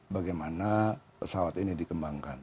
bagaimana pesawat ini dikembangkan